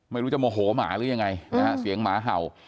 ไม่รู้จะโมโหหมาหรือยังไงนะฮะเสียงหมาเห่า